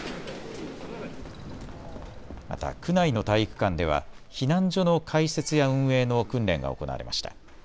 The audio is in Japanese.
また区内の体育館では避難所の開設や運営の訓練が行われました。